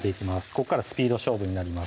こっからスピード勝負になります